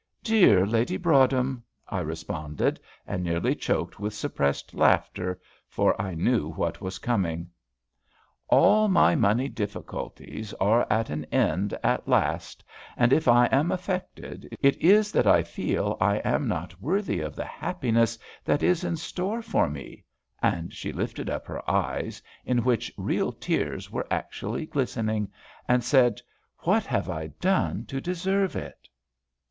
"Dear Lady Broadhem," I responded, and nearly choked with suppressed laughter, for I knew what was coming. "All my money difficulties are at an end at last, and if I am affected, it is that I feel I am not worthy of the happiness that is in store for me," and she lifted up her eyes, in which real tears were actually glistening, and said, "What have I done to deserve it?"